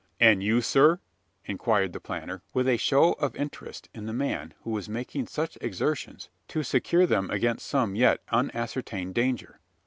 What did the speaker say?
"And you, sir?" inquired the planter, with a show of interest in the man who was making such exertions to secure them against some yet unascertained danger.